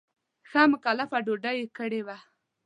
ښه مکلفه ډوډۍ یې کړې وه.